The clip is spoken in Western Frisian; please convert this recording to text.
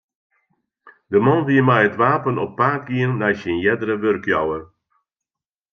De man wie mei it wapen op paad gien nei syn eardere wurkjouwer.